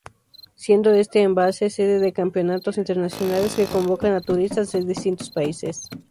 Siendo este embalse sede de campeonatos internacionales que convocan a turistas de distintos países.